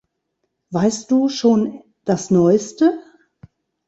Weißt du schon das Neuste?